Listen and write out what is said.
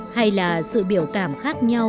hay là sự biểu cảm khác nhau